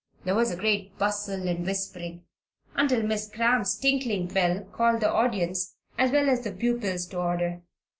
There was a great bustle and whispering until Miss Cramp's tinkling bell called the audience as well as the pupils to order.